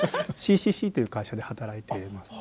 「ＣＣＣ」という会社で働いています。